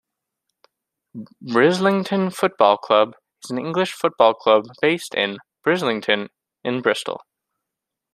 Brislington Football Club is an English football club based in Brislington, in Bristol.